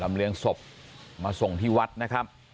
เลียงศพมาส่งที่วัดนะครับ